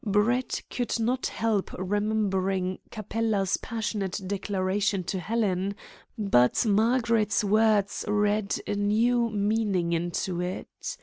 Brett could not help remembering Capella's passionate declaration to Helen, but Margaret's words read a new meaning into it.